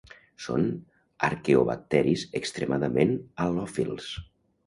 Són arqueobacteris extremadament halòfils.